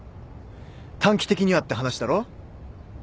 短期的にはって話だろ？